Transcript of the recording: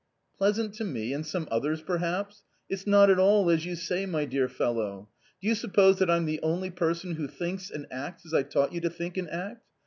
" Pleasant to me and some others, perhaps." .... it's not at all as you say, my dear fellow ! do you suppose that I'm the only person who thinks and acts as I taught you to think and act